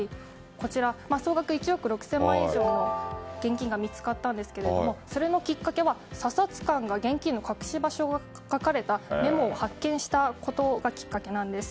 総額１億６０００万以上の現金が見つかったんですけれどもそれのきっかけが査察官が現金の隠し場所が書かれたメモを発見したことがきっかけなんです。